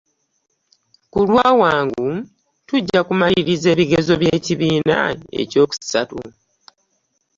Kulwa wangu tujja kumaliriza ebigezo bye kibiina ekyoku satu.